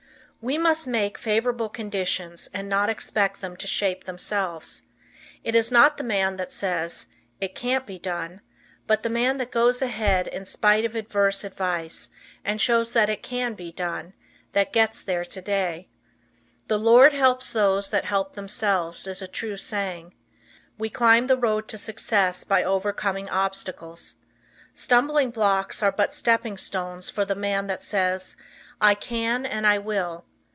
We must make favorable conditions and not expect them to shape themselves. It is not the man that says, "It can't be done," but the man that goes ahead in spite of adverse advice, and shows that "it can be done" that "gets there" today. "The Lord helps those that help themselves," is a true saying. We climb the road to success by overcoming obstacles. Stumbling blocks are but stepping stones for the man that says, "I can and I Will."